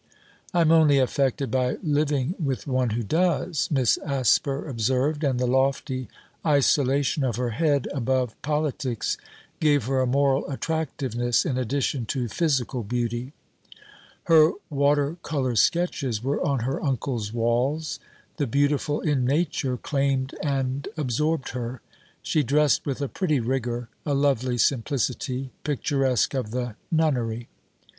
'I am only affected by living with one who does,' Miss Asper observed, and the lofty isolation of her head above politics gave her a moral attractiveness in addition to physical beauty. Her water colour sketches were on her uncle's walls: the beautiful in nature claimed and absorbed her. She dressed with a pretty rigour, a lovely simplicity, picturesque of the nunnery.